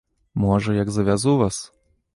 Можа, як завязу вас.